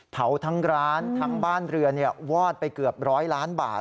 เผาทั้งร้านทั้งบ้านเรือนวาดไปเกือบ๑๐๐ล้านบาท